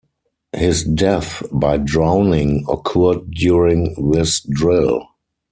His death by drowning occurred during this drill.